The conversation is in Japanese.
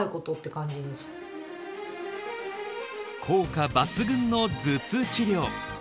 効果抜群の頭痛治療。